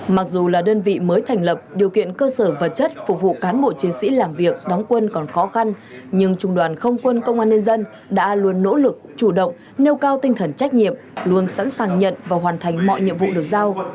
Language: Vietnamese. mặc dù là đơn vị mới thành lập điều kiện cơ sở vật chất phục vụ cán bộ chiến sĩ làm việc đóng quân còn khó khăn nhưng trung đoàn không quân công an nhân dân đã luôn nỗ lực chủ động nêu cao tinh thần trách nhiệm luôn sẵn sàng nhận và hoàn thành mọi nhiệm vụ được giao